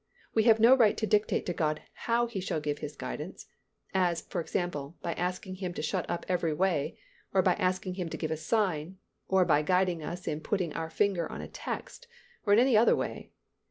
We have no right to dictate to God how He shall give His guidance—as, for example, by asking Him to shut up every way, or by asking Him to give a sign, or by guiding us in putting our finger on a text, or in any other way.